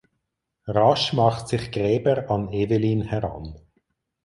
Rasch macht sich Greber an Evelyn heran.